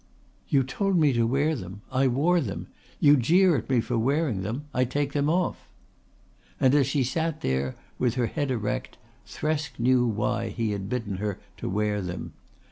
"You told me to wear them. I wore them. You jeer at me for wearing them. I take them off." And as she sat there with her head erect Thresk knew why he had bidden her to wear them.